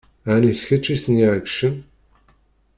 Ɛni d kečč i ten-iɛeggcen?